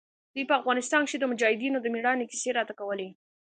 دوى به په افغانستان کښې د مجاهدينو د مېړانې کيسې راته کولې.